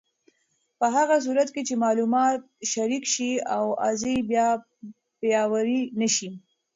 په هغه صورت کې چې معلومات شریک شي، اوازې به پیاوړې نه شي.